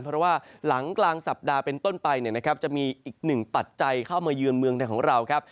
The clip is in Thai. เพราะว่าหลังกลางสัปดาห์เป็นต้นไปจะมีอีกหนึ่งปัจจัยเข้ามาเยือนเมืองไทยของเราครับ